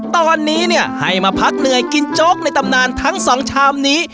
ตอนนี้เนี่ยให้มาพักเหนื่อยกินโจ๊กในตำนานทั้งสองชามนี้